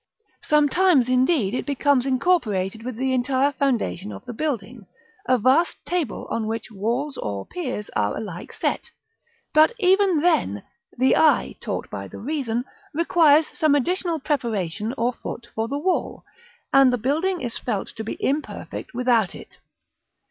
Sometimes, indeed, it becomes incorporated with the entire foundation of the building, a vast table on which walls or piers are alike set: but even then, the eye, taught by the reason, requires some additional preparation or foot for the wall, and the building is felt to be imperfect without it.